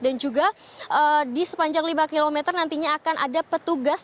dan juga di sepanjang lima km nantinya akan ada petugas